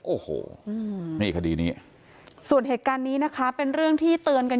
โอ้โหนี่คดีนี้ส่วนเหตุการณ์นี้นะคะเป็นเรื่องที่เตือนกัน